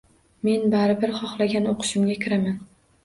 Men baribir xohlagan o‘qishimga kiraman.